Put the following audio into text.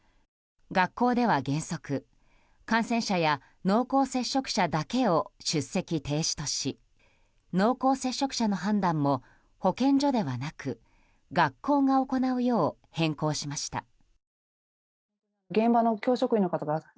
学校では原則感染者や濃厚接触者だけを出席停止とし濃厚接触者の判断も保健所ではなく学校が行うよう変更しました。